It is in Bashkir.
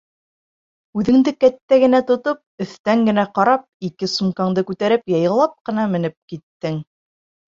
Үҙеңде кәттә генә тотоп, өҫтән генә ҡарап, ике сумкаңды күтәреп, яйлап ҡына менеп киттең.